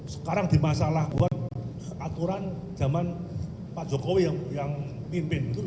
sekarang dimasalah buat aturan zaman pak jokowi